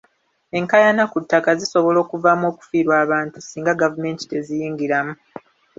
Enkaayana ku ttaka zisobola okuvaamu okufiirwa obulamu singa gavumenti teziyingiramu.